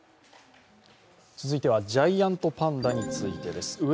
続いてはジャイアントパンダについてです。